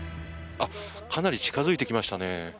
かなり近付いてきましたね。